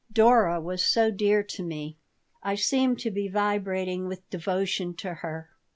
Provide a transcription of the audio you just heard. Dora was so dear to me. I seemed to be vibrating with devotion to her.